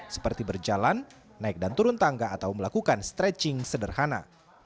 seperti berjalan naik dan turun tangga atau melakukan stretching sederhana